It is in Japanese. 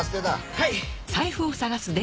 はい。